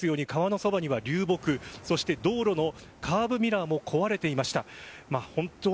そのことを示すように川のそばには流木そして道路のカーブミラーも壊れていました。